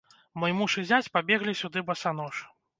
Мой муж і зяць пабеглі сюды басанож.